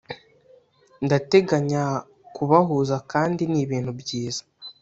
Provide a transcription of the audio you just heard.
ndateganya kubahuza kandi ni ibintu byiza